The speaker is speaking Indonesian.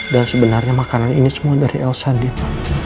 dan sebenarnya makanan ini semua dari elsa din